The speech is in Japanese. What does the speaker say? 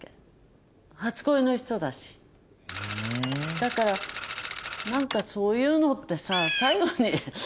だから何かそういうのってさ最後に。